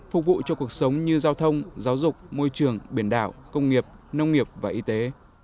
phục vụ cho cuộc sống như giao thông giáo dục môi trường biển đảo công nghiệp nông nghiệp và y tế